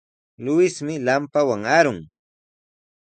Luismi lampawan arun.